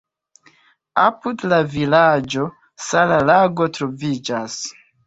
Apud la vilaĝo sala lago troviĝas.